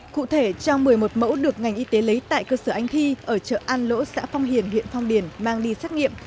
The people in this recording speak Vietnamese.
cụ thể trong một mươi một mẫu được ngành y tế lấy tại cơ sở anh thi ở chợ an lỗ xã phong hiền huyện phong điền mang đi xét nghiệm